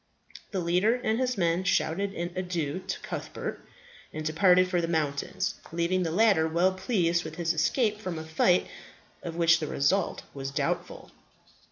The leader and his men shouted an adieu to Cuthbert, and departed for the mountains, leaving the latter well pleased with his escape from a fight of which the result was doubtful.